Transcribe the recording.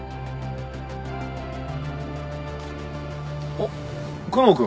あっ久能君。